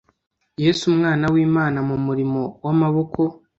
Yesu umwana wImana mu murimo wamaboko